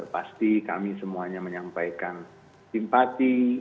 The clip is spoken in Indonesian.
pasti kami semuanya menyampaikan simpati